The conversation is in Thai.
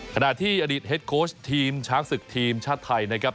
ขณะที่อดีตเฮ็ดโค้ชทีมช้างศึกทีมชาติไทยนะครับ